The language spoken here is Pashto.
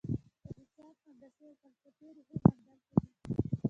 د حساب، هندسې او فلسفې رېښې همدلته دي.